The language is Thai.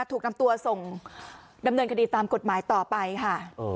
ถูกนำตัวส่งดำเนินคดีตามกฎหมายต่อไปค่ะ